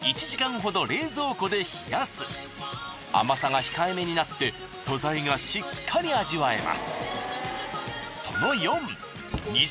甘さが控えめになって素材がしっかり味わえます。